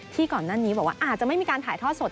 ก่อนหน้านี้บอกว่าอาจจะไม่มีการถ่ายทอดสด